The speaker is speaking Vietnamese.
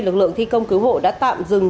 lực lượng thi công cứu hộ đã tạm dừng